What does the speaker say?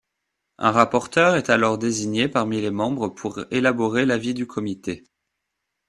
Un rapporteur est alors désigné parmi les membres pour élaborer l'avis du Comité.